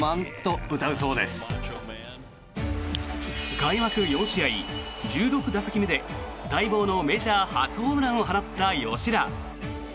開幕４試合１６打席目で待望のメジャー初ホームランを放った吉田。